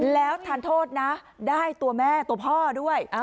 แล้วทานโทษนะได้ตัวแม่ตัวพ่อด้วย